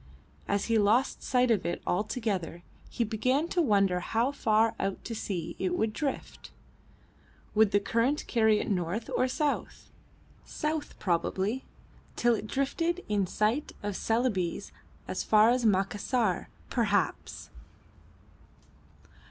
As he lost sight of it altogether he began to wonder how far out to sea it would drift. Would the current carry it north or south? South, probably, till it drifted in sight of Celebes, as far as Macassar, perhaps!